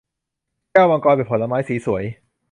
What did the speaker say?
แก้วมังกรเป็นผลไม้สีสวย